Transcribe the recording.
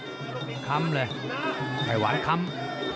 ซึ่งมีใครว้าจะขำ